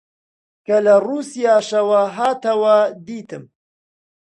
کە لە ڕووسیاشەوە هاتەوە، دیتم